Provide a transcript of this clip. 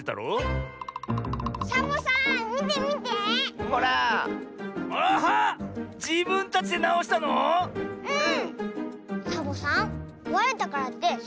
うん。